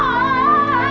aku muat dia swo